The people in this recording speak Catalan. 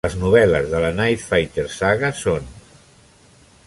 "Les novel·les de la Night Fighter Saga són:"